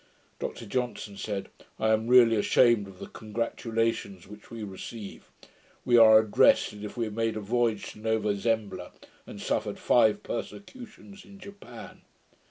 Dr Johnson said, 'I am really ashamed of the congratulations which we receive. We are addressed as if we had made a voyage to Nova Zembla, and suffered five persecutions in Japan.'